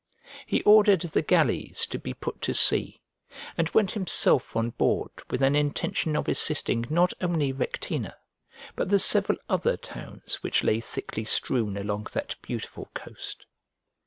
He ordered the galleys to be put to sea, and went himself on board with an intention of assisting not only Rectina, but the several other towns which lay thickly strewn along that beautiful coast.